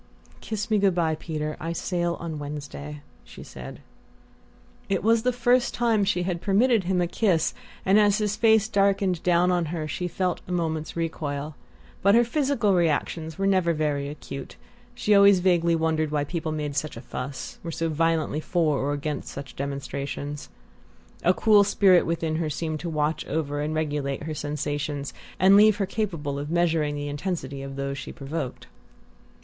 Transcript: "Kiss me good bye, Peter; I sail on Wednesday," she said. It was the first time she had permitted him a kiss, and as his face darkened down on her she felt a moment's recoil. But her physical reactions were never very acute: she always vaguely wondered why people made "such a fuss," were so violently for or against such demonstrations. A cool spirit within her seemed to watch over and regulate her sensations, and leave her capable of measuring the intensity of those she provoked.